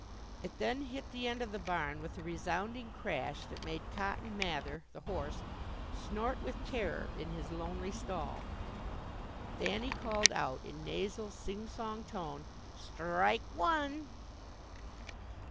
It then hit the end of the barn with a resounding crash that made Cotton Mather, the horse, snort with terror in his lonely stall. Thanny called out in nasal, sing song tone: "Strike one!"